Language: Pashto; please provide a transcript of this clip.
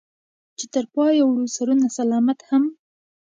چې تر پايه وړو سرونه سلامت هم